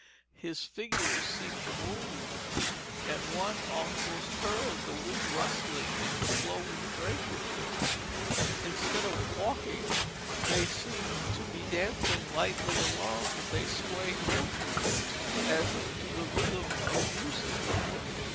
His figures seemed to move, and one almost heard the wind rustling in their flowing drapery. Instead of walking, they seemed to be dancing lightly along with a swaying motion as if to the rhythm of music.